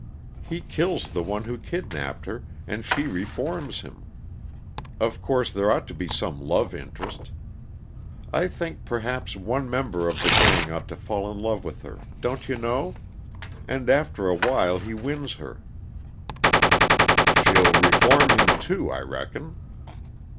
He kills the one who kidnapped her, and she reforms him. Of course, there ought to be some love interest. I think, perhaps, one member of the gang ought to fall in love with her, don't you know? And after a while he wins her " "She'll reform him, too, I reckon."